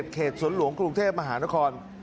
เขตสวนหลวงกรุงเทพมหานคร